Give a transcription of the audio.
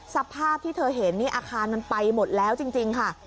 สภาพที่เธอเห็นนี่อาคารมันไปหมดแล้วจริงค่ะ